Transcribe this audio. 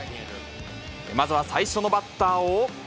まずは最初のバッターを。